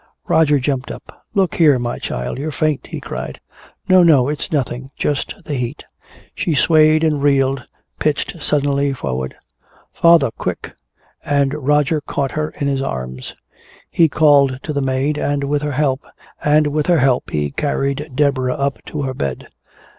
Roger jumped up. "Look here, my child, you're faint!" he cried. "No, no, it's nothing! Just the heat!" She swayed and reeled, pitched suddenly forward. "Father! Quick!" And Roger caught her in his arms. He called to the maid, and with her help he carried Deborah up to her bed.